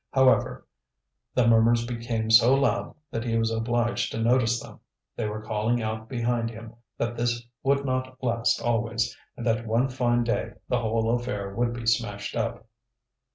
However, the murmurs became so loud that he was obliged to notice them. They were calling out behind him that this would not last always, and that one fine day the whole affair would be smashed up.